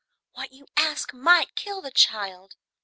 What you ask might kill the child.